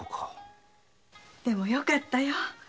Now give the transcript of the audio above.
でもよかったよ。